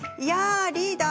リーダー